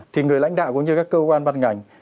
thì người lãnh đạo cũng như các cơ quan ban ngành